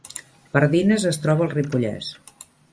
Pardines es troba al Ripollès